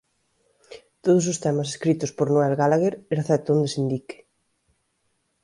Todos os temas escritos por Noel Gallagher excepto onde se indique.